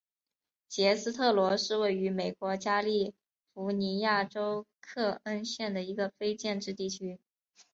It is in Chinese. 杰斯特罗是位于美国加利福尼亚州克恩县的一个非建制地区。